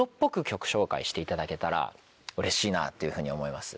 していただけたらうれしいなっていうふうに思います。